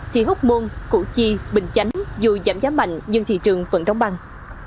thì hốc muôn củ chi bình chánh dù giảm giá mạnh nhưng thị trường vẫn rong băng